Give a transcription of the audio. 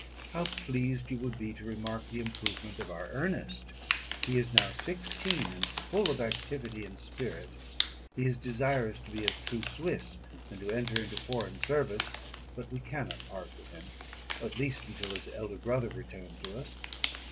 How pleased you would be to remark the improvement of our Ernest! He is now sixteen, and full of activity and spirit. He is desirous to be a true Swiss, and to enter into foreign service; but we cannot part with him, at least until his elder brother return to us.